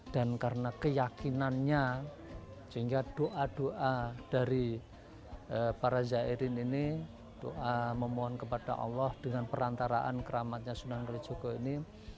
dan karena keyakinannya sehingga doa doa dari para zairin ini doa memohon kepada allah dengan perantaraan keramatnya sunan kalijaga ini